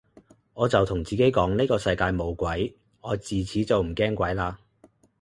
我就同自己講呢個世界冇鬼，我自此就唔驚鬼嘞